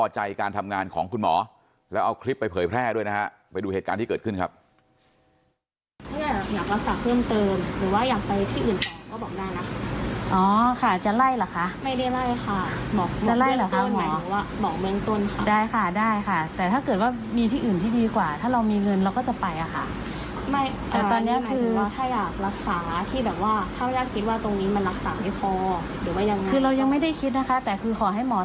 ใช่ไหมค่ะคือที่รักษาเลยค่ะรักษาอยู่ค่ะขอโทษนะคะตอนนี้กำลังกำลังนะคะ